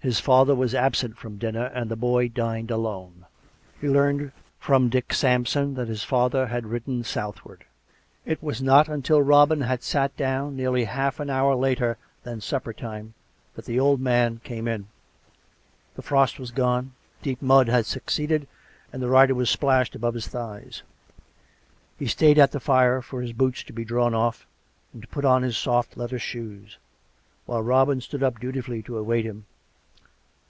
His father was absent from dinner and the boy dined alone. He learned from Dick Sampson that his father had ridden southwards. It was not until Robin had sat down nearly half an hour later than supper time that the old man came in. The frost was gone; deep mud had succeeded, and the rider was splashed above his thighs. He stayed at the fire for his boots to be drawn off and to put on his soft leather shoes, while Robin stood up dutifully to await him.